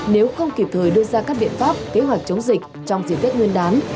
nếu không kịp thời đưa ra các biện pháp kế hoạch chống dịch trong dịp tết nguyên đán